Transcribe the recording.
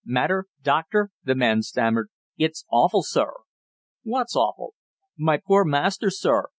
"Matter, doctor," the man stammered. "It's awful, sir!" "What's awful?" "My poor master, sir.